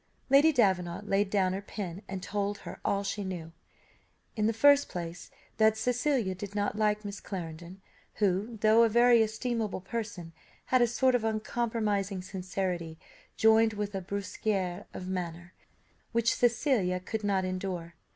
Lady Davenant laid down her pen, and told her all she knew. In the first place, that Cecilia did not like Miss Clarendon, who, though a very estimable person, had a sort of uncompromising sincerity, joined with a brusquerie of manner which Cecilia could not endure.